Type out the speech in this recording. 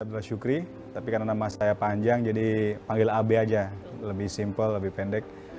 saya syukri tapi karena nama saya panjang jadi panggil abe aja lebih simple lebih pendek